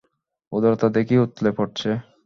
উদারতা দেখি উথলে পড়ছে।